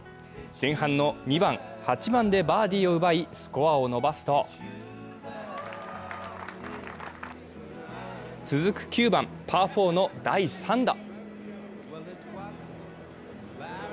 前半の２番・８番でバーディーを奪いスコアを伸ばすと、続く９番、パー４の第３打。